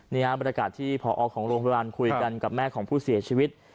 บรรยากาศที่พอของโรงพยาบาลคุยกันกับแม่ของผู้เสียชีวิต